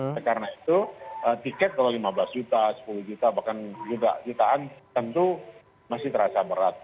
karena itu tiket kalau lima belas juta sepuluh juta bahkan jutaan tentu masih terasa berat